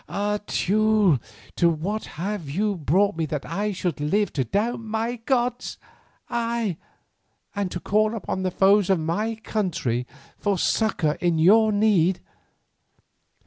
Ah! Teule, to what have you brought me that I should live to doubt my gods, ay, and to call upon the foes of my country for succour in your need.